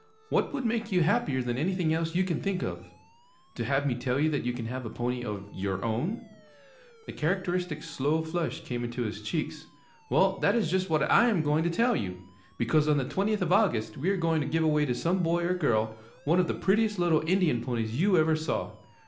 'What would make you happier than anything else you can think of? To have me tell you that you can have a pony of your own?' The characteristic, slow flush came into his cheeks. 'Well, that is just what I am going to tell you! Because on the twentieth of August we are going to give away to some boy or girl, one of the prettiest little Indian ponies you ever saw.